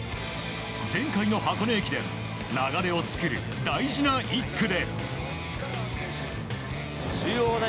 前回の箱根駅伝、流れを作る大事な１区で。